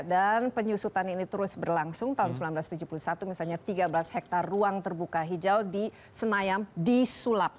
dan penyusutan ini terus berlangsung tahun seribu sembilan ratus tujuh puluh satu misalnya tiga belas hektare ruang terbuka hijau di senayam disulap